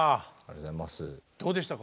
どうでしたか？